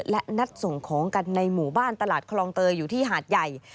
และนัดส่งของกันในหมู่บ้านตลาดคลองเตยอยู่ที่หาดใหญ่